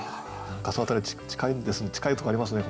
その辺り近いとこありますね